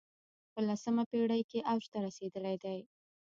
په لسمه پېړۍ کې اوج ته رسېدلی دی